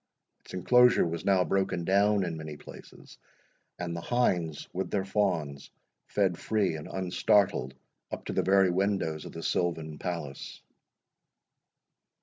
Its enclosure was now broken down in many places, and the hinds with their fawns fed free and unstartled up to the very windows of the silvan palace.